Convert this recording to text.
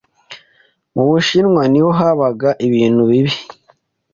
Mu Bushinwa niho habaga ibintu bibi